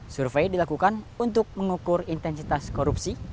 survei dilakukan untuk mengukur intensitas korupsi